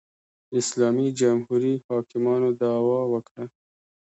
اسلامي جمهوري حاکمانو دعوا وکړه